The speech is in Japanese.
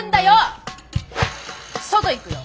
外行くよ。